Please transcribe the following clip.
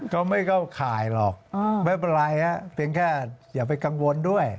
ก็ไม่เข้าข่ายหรอกไม่เป็นไรฮะเพียงแค่อย่าไปกังวลด้วย